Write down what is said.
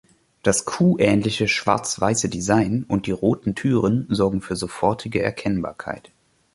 Das „kuhähnliche“ schwarz-weiße Design und die roten Türen sorgen für sofortige Erkennbarkeit.